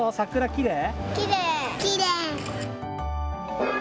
きれい。